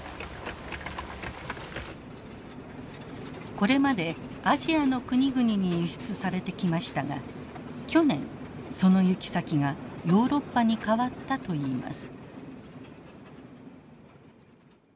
これまでアジアの国々に輸出されてきましたが去年その行き先がヨーロッパに変わったといいます。